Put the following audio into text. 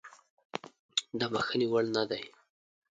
د بخښنې وړ نه دی.